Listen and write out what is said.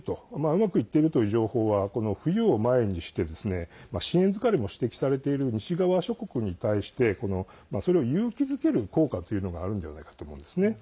うまくいっているという情報はこの冬を前にして支援疲れも指摘されている西側諸国に対してそれを勇気づける効果というのがあるのではないかと思うんですね。